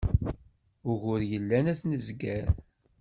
Ugur yellan ad t-nezger.